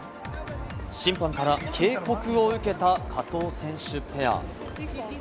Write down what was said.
審判から警告を受けた加藤選手ペア。